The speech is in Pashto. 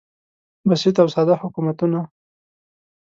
بسیط او ساده حکومتونه